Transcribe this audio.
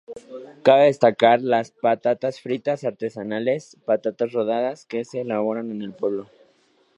Cabe destacar las patatas fritas artesanales, Patatas Rodas, que se elaboran en el pueblo.